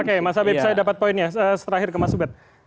oke mas abeb saya dapat poinnya setelah akhir ke mas ubet